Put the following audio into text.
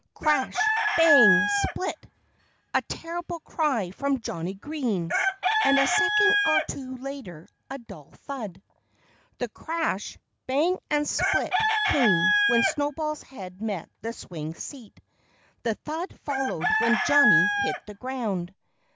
Crash! Bang! Split! A terrible cry from Johnnie Green! And a second or two later a dull thud! The crash, bang and split came when Snowball's head met the swing seat. The thud followed when Johnnie hit the ground.